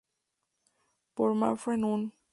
Por Manfred Un.